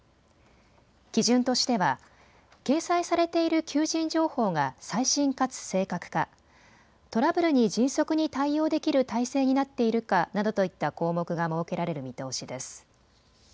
基準としては掲載されている求人情報が最新、かつ正確かトラブルに迅速に対応できる体制になっているかなどといった項目が設けられる見通しです。